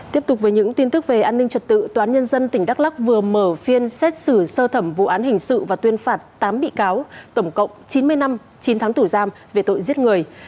tiếp tục với những tin tức về an ninh trật tự tòa án nhân dân tỉnh đắk lắc vừa mở phiên xét xử sơ thẩm vụ án hình sự và tuyên phạt tám bị cáo tổng cộng chín mươi năm chín tháng tù giam về tội giết người